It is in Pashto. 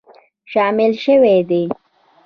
شامل شوي دي